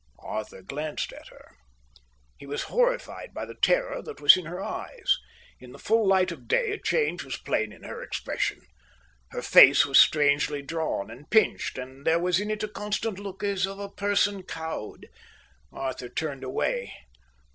Arthur glanced at her. He was horrified by the terror that was in her eyes. In the full light of day a change was plain in her expression. Her face was strangely drawn, and pinched, and there was in it a constant look as of a person cowed. Arthur turned away.